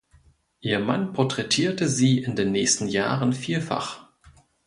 Ihr Mann porträtierte sie in den nächsten Jahren vielfach.